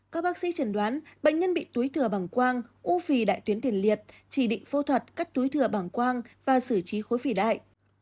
các bác sĩ chẩn đoán bệnh nhân bị túi thừa bằng quang u phì đại tuyến tiền liệt chỉ định phẫu thuật cắt túi thừa bằng quang và xử trí khối phỉ đại